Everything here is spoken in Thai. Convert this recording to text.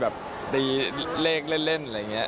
แบบตีเลขเล่นอะไรอย่างนี้